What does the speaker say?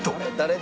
「誰？